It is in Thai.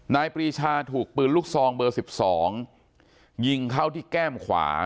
นายปริชาถูกปืนลูกซองเบอร์สิบสองยิงเข้าที่แก้มขวา